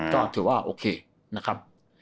ก็ถือว่าโอเคนะครับ